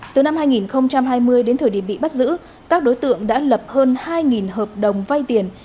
từ năm hai nghìn hai mươi đến thời điểm bị bắt giữ các đối tượng đã lập hơn hai hợp đồng vay tiền